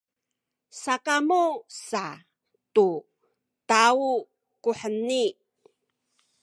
sakamu sa tu taw kuheni.